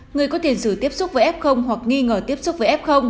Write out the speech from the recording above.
người có tiền sử tiếp xúc với f hoặc nghi ngờ tiếp xúc với f